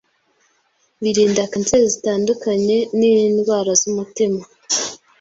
birinda kanseri zitandukanye n’ indwara z’umutima